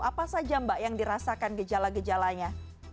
apa saja mbak yang dirasakan gejala gejalanya